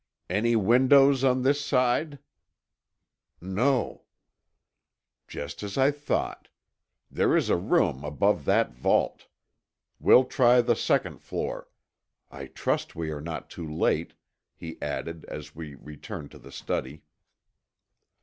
"Any windows on this side?" "No." "Just as I thought. There is a room above that vault. We'll try the second floor. I trust we are not too late," he added as we returned to the study.